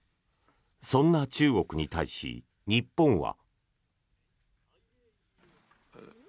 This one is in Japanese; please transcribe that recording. そんな中国に対し、日本は。